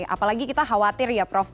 apalagi kita khawatir ya prof